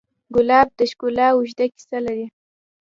ګلاب د ښکلا اوږده کیسه لري.